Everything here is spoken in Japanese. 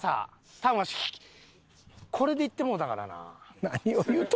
多分ワシこれでいってもうたからな。